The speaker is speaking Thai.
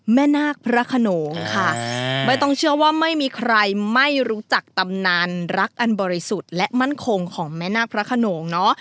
นาคพระขนงค่ะไม่ต้องเชื่อว่าไม่มีใครไม่รู้จักตำนานรักอันบริสุทธิ์และมั่นคงของแม่นาคพระขนงเนาะ